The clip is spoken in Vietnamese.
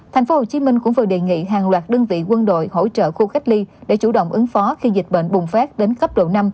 tp hcm cũng vừa đề nghị hàng loạt đơn vị quân đội hỗ trợ khu cách ly để chủ động ứng phó khi dịch bệnh bùng phát đến cấp độ năm